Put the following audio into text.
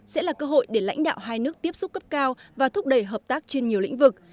sẽ là cơ hội để lãnh đạo hai nước tiếp xúc cấp cao và thúc đẩy hợp tác trên nhiều lĩnh vực